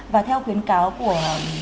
và theo khuyến cáo của